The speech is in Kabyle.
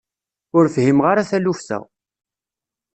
Ur fhimeɣ ara taluft-a.